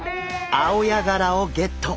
アオヤガラをゲット。